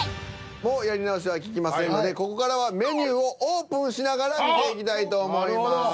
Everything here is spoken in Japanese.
もうやり直しはききませんのでここからはメニューをオープンしながら見ていきたいと思います。